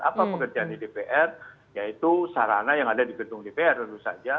apa pekerjaan di dpr yaitu sarana yang ada di gedung dpr tentu saja